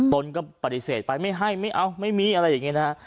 ตนก็ปฏิเสธไปไม่ให้ไม่เอาไม่มีอะไรอย่างนี้นะฮะ